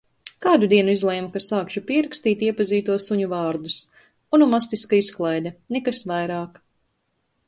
Kādu dienu izlēmu, ka sākšu pierakstīt iepazīto suņu vārdus. Onomastiska izklaide, nekas vairāk.